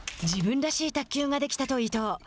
自分らしい卓球ができたと言う伊藤。